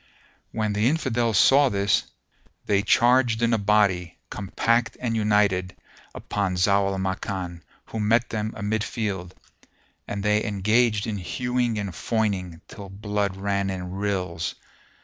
When the Infidels saw this, they charged in a body, compact and united, upon Zau al Makan, who met them amidfield, and they engaged in hewing and foining, till blood ran in rills.